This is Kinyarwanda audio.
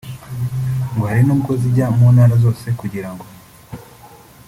ngo hari n’ubwo zijya mu ntara zose kugira ngo